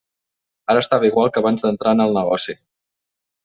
Ara estava igual que abans d'entrar en el negoci.